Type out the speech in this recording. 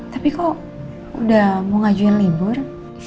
tapi kok udah mau ngajuin libur